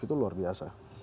itu luar biasa